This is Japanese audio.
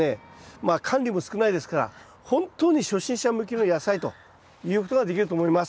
まあ管理も少ないですから本当に初心者向きの野菜と言うことができると思います。